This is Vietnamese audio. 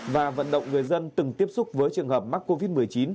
và vận động người dân từng tiếp xúc với trường hợp mắc covid một mươi chín